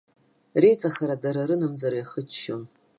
Реиҵахара, дара рынамӡара иахыччон.